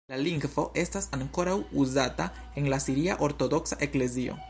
La lingvo estas ankoraŭ uzata en la siria ortodoksa eklezio.